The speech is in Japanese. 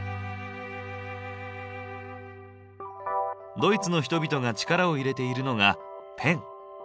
ドイツの人々が力を入れているのがペン。